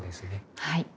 はい。